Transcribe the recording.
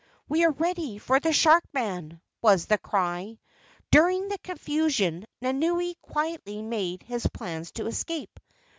"We are ready for the shark man," was the cry. During the confusion Nanaue quietly made his plans to escape.